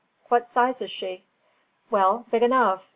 "What size is she?" "Well, big enough.